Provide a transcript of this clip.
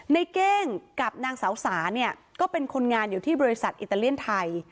เก้งกับนางสาวสาเนี่ยก็เป็นคนงานอยู่ที่บริษัทอิตาเลียนไทย